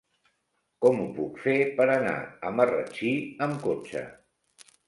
Com ho puc fer per anar a Marratxí amb cotxe?